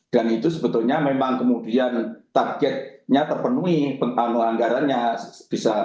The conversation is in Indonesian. dan itu sebetulnya memang kemudian targetnya terpenuhi penganggaran anggarannya bisa